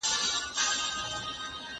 د غرمې له ډوډۍ وروسته چای لازمي ګڼل کیږي.